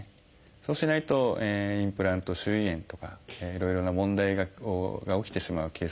そうしないとインプラント周囲炎とかいろいろな問題が起きてしまうケースが多いです。